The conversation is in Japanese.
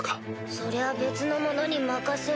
それは別の者に任せる。